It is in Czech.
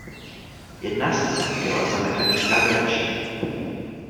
Jedna z cen byla za mechanická vylepšení.